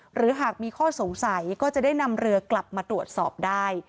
หรือหากมีข้อสงสัยก็จะได้นำเรือกลับมาตรวจสอบได้